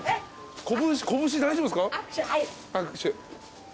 拳大丈夫ですか？